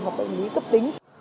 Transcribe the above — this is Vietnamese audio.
hoặc bệnh lý cấp tính